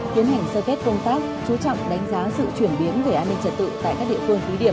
tiến hành sơ kết công tác chú trọng đánh giá sự chuyển biến về an ninh trật tự tại các địa phương thí điểm